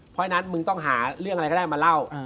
เพราะฉะนั้นมึงต้องหาเรื่องอะไรก็ได้มาเล่า